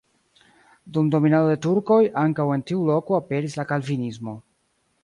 Dum dominado de turkoj ankaŭ en tiu loko aperis la kalvinismo.